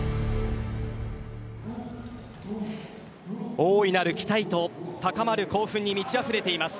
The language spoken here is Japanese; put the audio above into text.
大いなる期待と高まる興奮に満ちあふれています。